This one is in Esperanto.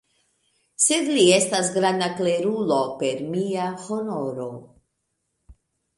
Sed li estas granda klerulo, per mia honoro!